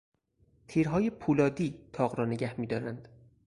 تیرهای پولادی تاق را نگه میدارند.